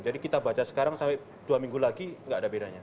jadi kita baca sekarang sampai dua minggu lagi gak ada bedanya